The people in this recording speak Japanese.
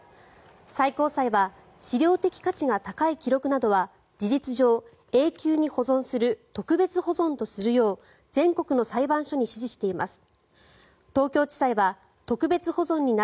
最高裁は史料的価値が高い記録などは事実上、永久に保存する特別保存とするよう全国の裁判所に指示しています。